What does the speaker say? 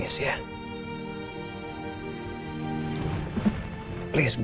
kalau saya bersama nick ke